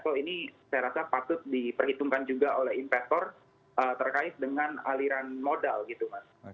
kalau ini saya rasa patut diperhitungkan juga oleh investor terkait dengan aliran modal gitu mas